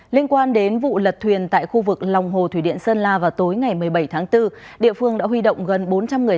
liên quan đến vụ lật thuyền tại khu vực lòng hồ thủy điện sơn la vào tối ngày một mươi bảy tháng bốn địa phương đã huy động gần bốn trăm linh người